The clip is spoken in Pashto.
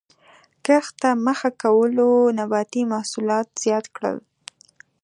کښت ته مخه کولو نباتي محصولات زیات کړل